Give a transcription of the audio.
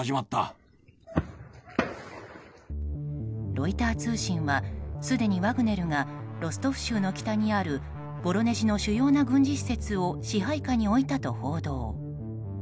ロイター通信はすでにワグネルがロストフ州の北にあるボロネジの主要な軍事施設を支配下に置いたと報道。